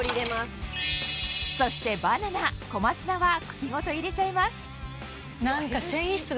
そしてバナナ小松菜は茎ごと入れちゃいますねぇ。